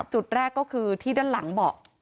จุดแรกก็คือที่ด้านหลังเบาะ